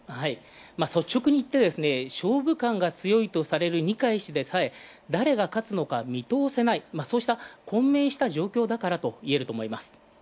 率直に言って、勝負勘が強いとされる二階氏でさえ、誰が勝つのか見通せない、そうした混迷した状況だからといえると思います。